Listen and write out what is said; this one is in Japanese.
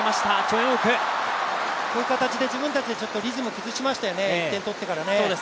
こういう形で自分たちでリズム崩しましたよね、１点取ってからね。